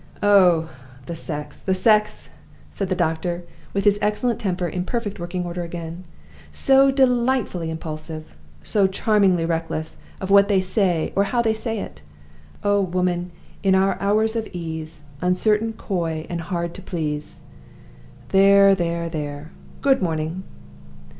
"Oh, the sex! the sex!" said the doctor, with his excellent temper in perfect working order again. "So delightfully impulsive! so charmingly reckless of what they say or how they say it! 'Oh, woman, in our hours of ease, uncertain, coy, and hard to please!' There! there! there! Good morning!"